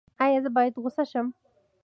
ایا زه باید غوسه شم؟